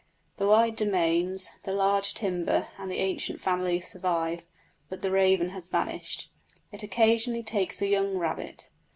The wide domains, the large timber, and the ancient families survive, but the raven has vanished. It occasionally takes a young rabbit.